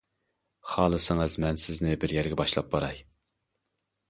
خالىسىڭىز مەن سىزنى بىر يەرگە باشلاپ باراي.